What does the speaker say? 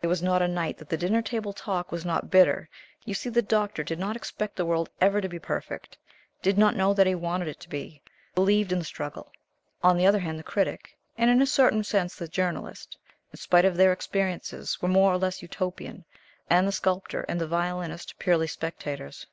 There was not a night that the dinner table talk was not bitter. You see the Doctor did not expect the world ever to be perfect did not know that he wanted it to be believed in the struggle. On the other hand the Critic, and in a certain sense the Journalist, in spite of their experiences, were more or less Utopian, and the Sculptor and the Violinist purely spectators.